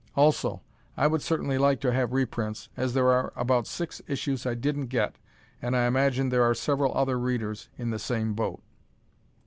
Also I would certainly like to have reprints, as there are about six issues I didn't get, and I imagine there are several other Readers in the same boat.